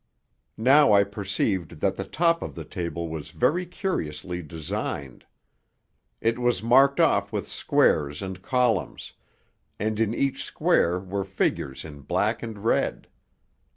Now I perceived that the top of the table was very curiously designed. It was marked off with squares and columns, and in each square were figures in black and red.